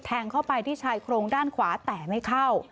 เข้าไปที่ชายโครงด้านขวาแต่ไม่เข้า